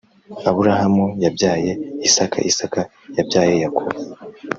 Aburahamu yabyaye isaka, isaka yabyaye yakobo